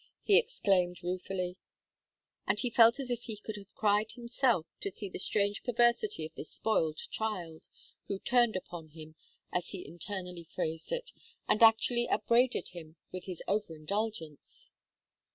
he exclaimed, ruefully; and he felt as if he could hare cried himself, to see the strange perversity of this spoiled child, "who turned upon him," as he internally phrased it, and actually upbraided him with his over indulgence.